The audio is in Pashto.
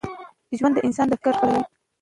ژوند د انسان د فکر رنګ خپلوي.